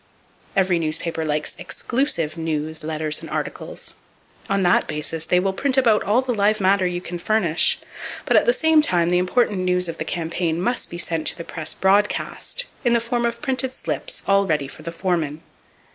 Every newspaper likes "exclusive" news, letters and articles. On that basis they will print about all the live matter that you can furnish. But at the same time, the important news of the campaign must be sent to the press broadcast, in the form of printed slips all ready for the foreman.